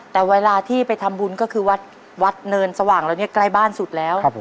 แต่เวลาที่ไปทำบุญก็คือวัดเนินสว่างแล้วเนี่ยใกล้บ้านสุดแล้ว